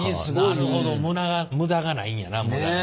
なるほど無駄がないんやな無駄が。